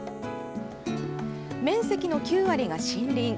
面積の９割が森林。